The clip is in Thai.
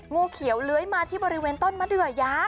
งูเขียวเลื้อยมาที่บริเวณต้นมะเดือยาว